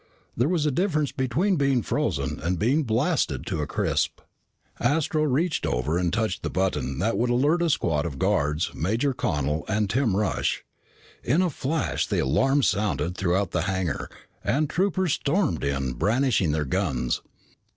There was a difference between being frozen and being blasted into a crisp. Astro reached over and touched the button that would alert a squad of guards, Major Connel, and Tim Rush. In a flash the alarm sounded throughout the hangar and troopers stormed in brandishing their guns.